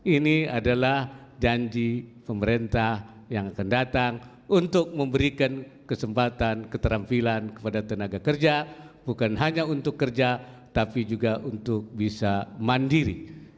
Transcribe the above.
ini adalah janji pemerintah yang akan datang untuk memberikan kesempatan keterampilan kepada tenaga kerja bukan hanya untuk kerja tapi juga untuk bisa mandiri